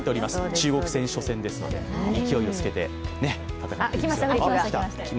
中国戦が初戦ですので、勢いをつけて戦っていきましょう。